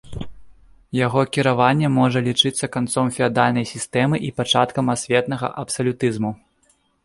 Яго кіраванне можа лічыцца канцом феадальнай сістэмы і пачаткам асветнага абсалютызму.